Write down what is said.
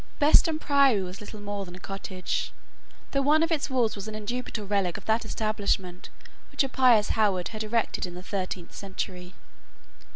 Beston Priory was little more than a cottage, though one of its walls was an indubitable relic of that establishment which a pious Howard had erected in the thirteenth century.